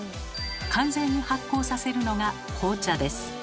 完全に発酵させるのが紅茶です。